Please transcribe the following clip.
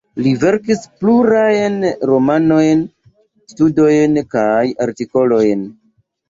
Li verkis plurajn romanojn, studojn kaj artikolojn.